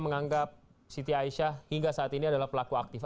menganggap siti aisyah hingga saat ini adalah pelaku aktif